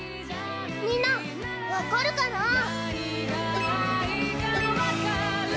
みんな、分かるかな？